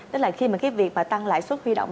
đó là khi mà cái việc mà tăng lại suất huy động